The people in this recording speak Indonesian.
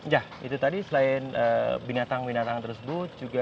ya itu tadi selain binatang binatang tersebut juga